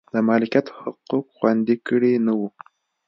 د مالکیت حقوق خوندي کړي نه و.